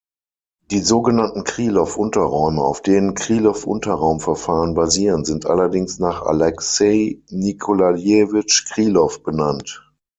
Die sogenannten "Krylow-Unterräume", auf denen Krylow-Unterraum-Verfahren basieren, sind allerdings nach Alexei Nikolajewitsch Krylow benannt.